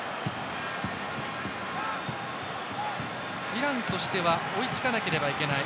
イランとしては追いつかなければいけない。